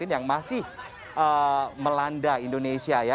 yang masih melanda indonesia ya